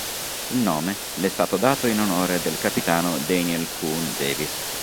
Il nome le è stato dato in onore del capitano Daniel Coon Davis.